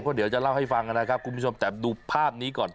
เพราะเดี๋ยวจะเล่าให้ฟังนะครับคุณผู้ชมแต่ดูภาพนี้ก่อน